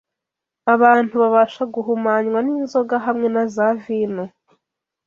Abantu babasha guhumanywa n’inzoga hamwe na za vino